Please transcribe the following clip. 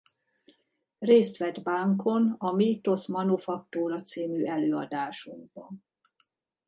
Részt vett Bánkon a Mítosz Manufaktúra c. előadásukban.